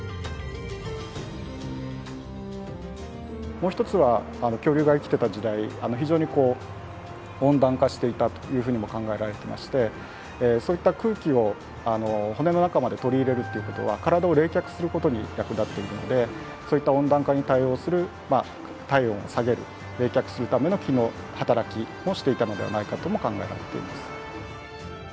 もう一つは恐竜が生きてた時代非常にこう温暖化していたというふうにも考えられていましてそういった空気を骨の中まで取り入れるということは体を冷却することに役立っているのでそういった温暖化に対応する体温を下げる冷却するための機能働きをしていたのではないかとも考えられています。